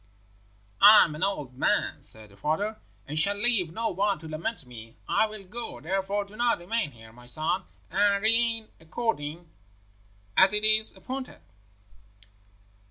"'I am an old man,' said the father, 'and shall leave no one to lament me. I will go, therefore. Do you remain here, my son, and reign according as it is appointed.'